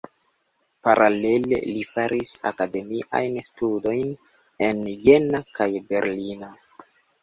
Paralele li faris akademiajn studojn en Jena kaj Berlino.